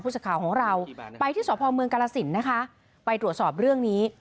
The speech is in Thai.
สักข่าวของเราไปที่สพเมืองกาลสินนะคะไปตรวจสอบเรื่องนี้